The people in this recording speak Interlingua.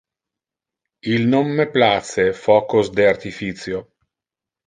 Il non me place focos de artificio.